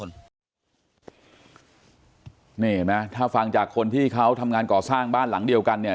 นี่เห็นไหมถ้าฟังจากคนที่เขาทำงานก่อสร้างบ้านหลังเดียวกันเนี่ย